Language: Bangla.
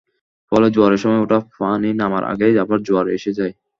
ফলে জোয়ারের সময় ওঠা পানি নামার আগেই আবার জোয়ার এসে যায়।